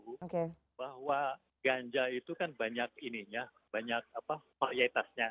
maka masyarakat tahu bahwa ganja itu kan banyak ini ya banyak apa varietasnya